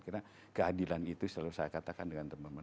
karena keadilan itu selalu saya katakan dengan teman teman